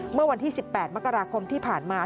เมื่อวันที่๑๘มกราคมที่ผ่านมา